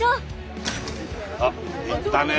あっ行ったね。